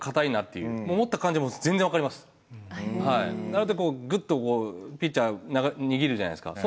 なのでぐっとこうピッチャー握るじゃないですか。